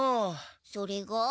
それが？